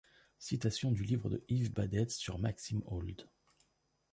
Citation du livre de Yves Badetz sur Maxime Old.